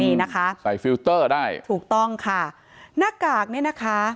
นี่นะคะใส่ฟิลเตอร์ได้ถูกต้องค่ะหน้ากากเนี่ยนะคะ